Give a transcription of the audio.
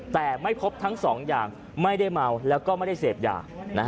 แต่ไม่พบทั้งสองอย่างไม่ได้เมาแล้วก็ไม่ได้เสพยา